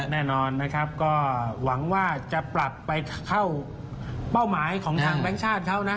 แน่นอนนะครับก็หวังว่าจะปรับไปเข้าเป้าหมายของทางแบงค์ชาติเขานะ